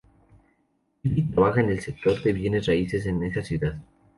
Vive y trabaja en el sector de bienes raíces en esa ciudad.